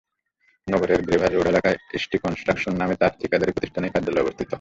নগরের গ্রেডার রোড এলাকায় ইস্টি কনস্ট্রাকশন নামে তাঁর ঠিকাদারি প্রতিষ্ঠানের কার্যালয় অবস্থিত।